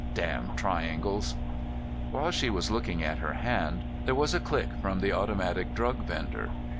Damn triangles! While she was looking at her hand there was a click from the automatic drug vendor.